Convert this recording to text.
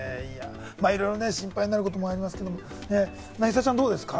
まぁ、いろいろ心配になることもございますけれどね、凪咲ちゃんどうですか？